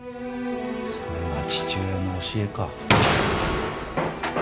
それが父親の教えか？